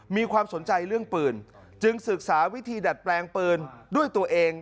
มีความสนใจเรื่องปืนจึงศึกษาวิธีดัดแปลงปืนด้วยตัวเอง